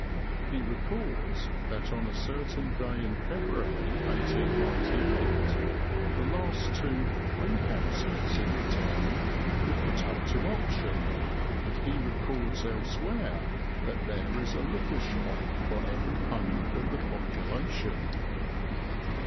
He records (p. 110) that on a certain day in February, 1898, the last two "free houses" in the town were put up to auction, and he records elsewhere that there is a liquor shop for every hundred of the population.